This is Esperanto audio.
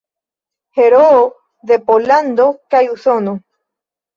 Heroo de Pollando kaj Usono.